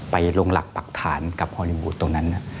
ไปลงหลักปรักฐานกับฮอลลี่วูดตรงนั้น